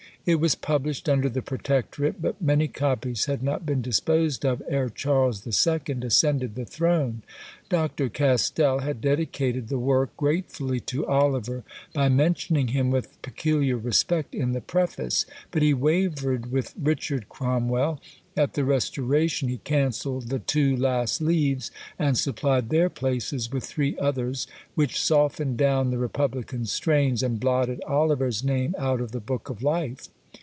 It was published under the protectorate, but many copies had not been disposed of ere Charles II. ascended the throne. Dr. Castell had dedicated the work gratefully to Oliver, by mentioning him with peculiar respect in the preface, but he wavered with Richard Cromwell. At the Restoration, he cancelled the two last leaves, and supplied their places with three others, which softened down the republican strains, and blotted Oliver's name out of the book of life!